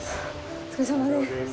お疲れさまです。